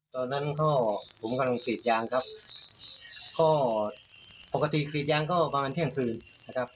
ตอนนั้นก็ผมกำลังกรีดยางครับก็ปกติกรีดยางก็ประมาณเที่ยงคืนนะครับ